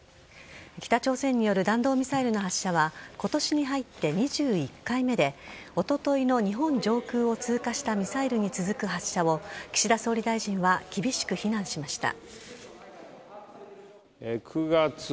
北朝鮮による弾道ミサイルの発射は今年に入って２１回目でおとといの日本上空を通過したミサイルに続く発射を岸田総理大臣は厳しく非難しました。